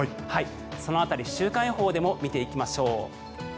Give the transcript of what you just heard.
その辺り週間予報でも見ていきましょう。